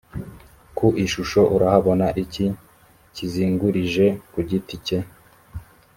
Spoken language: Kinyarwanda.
ku ishusho urahabona iki kizingurije ku giti cye